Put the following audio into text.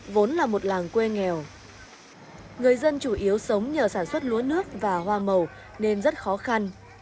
vốn là một làng quê nghèo người dân chủ yếu sống nhờ sản xuất lúa nước và hoa màu nên rất khó khăn